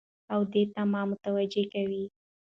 او دې ته مو متوجه کوي